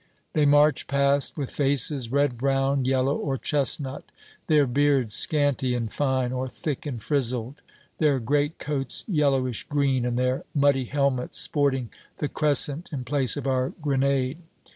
They march past with faces red brown, yellow or chestnut, their beards scanty and fine or thick and frizzled, their greatcoats yellowish green, and their muddy helmets sporting the crescent in place of our grenade.